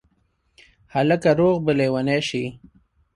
هلکه روغ به لېونی شې